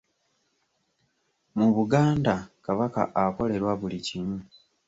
Mu Buganda Kabaka akolerwa buli kimu.